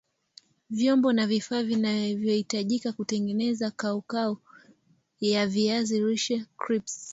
Vyombo na vifaa vinavyahitajika kutengeneza kaukau ya viazi lishe krips